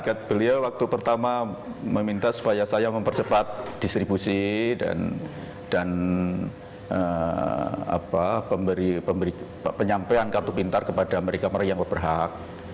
paket beliau waktu pertama meminta supaya saya mempercepat distribusi dan penyampaian kartu pintar kepada mereka mereka yang berhak